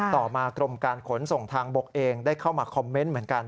ต่อมากรมการขนส่งทางบกเองได้เข้ามาคอมเมนต์เหมือนกัน